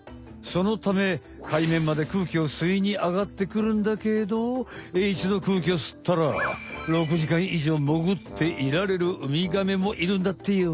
そのため海面までくうきをすいにあがってくるんだけどいちどくうきをすったら６時間以上潜っていられるウミガメもいるんだってよ。